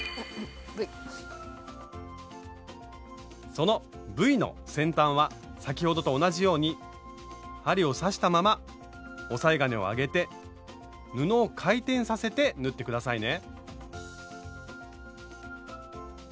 そのＶの先端は先ほどと同じように針を刺したまま押さえ金を上げて布を回転させて縫って下さいね。